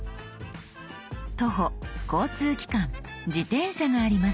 「徒歩」「交通機関」「自転車」があります。